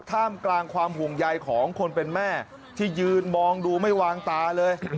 ท่ามกลางความห่วงใยของคนเป็นแม่ที่ยืนมองดูไม่วางตาเลย